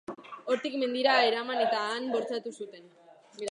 Hortik, mendira eraman eta han bortxatu zuten.